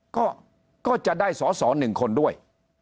ก็จะได้สอสอ๑คนด้วย